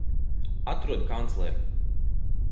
Atrodi kancleru!